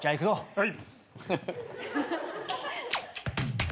はい。